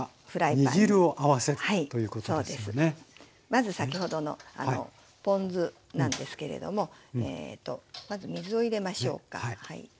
まず先ほどのポン酢なんですけれどもまず水を入れましょうか。